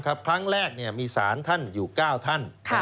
ครั้งแรกมีสารท่านอยู่๙ท่าน